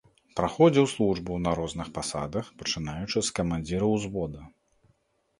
Праходзіў службу на розных пасадах, пачынаючы з камандзіра ўзвода.